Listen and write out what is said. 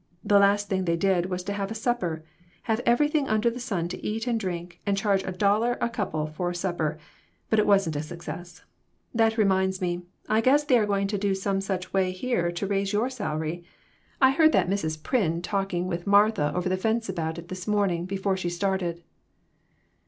The last thing they did was to have a supper ; have everything under the sun to eat and drink^ and charge a dollar a couple for supper, but it wasn't a success. That reminds me, I guess they are going to do some such way here to raise your salary. I heard that Mrs. 140 MORAL EVOLUTION. Pryn talking with Martha over the fence about it this morning, before she started."